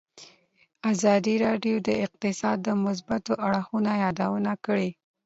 ازادي راډیو د اقتصاد د مثبتو اړخونو یادونه کړې.